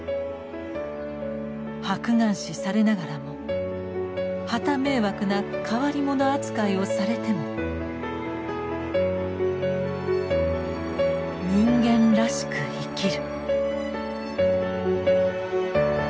「白眼視されながらもはた迷惑な変り者扱いをされても人間らしく生きる」。